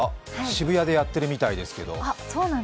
渋谷でやってるみたいですけど。